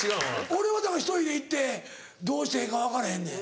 俺はだから１人で行ってどうしてええか分からへんねん。